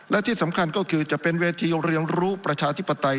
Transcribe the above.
และที่สำคัญก็คือจะเป็นเวทีเรียนรู้ประชาธิปไตย